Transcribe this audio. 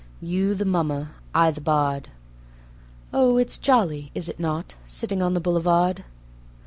You the Mummer, I the Bard; Oh, it's jolly, is it not? Sitting on the Boulevard.